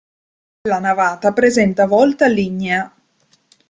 La navata presenta volta lignea.